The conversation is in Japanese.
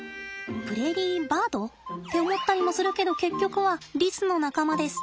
プレーリーバード？って思ったりもするけど結局はリスの仲間です。